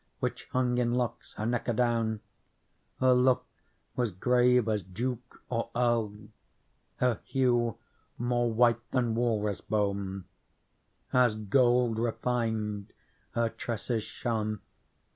Which hung in locks her neck adown : Her look was grave as duke or earl, Her hue more white than walrus bone, As gold refined her tresses shone.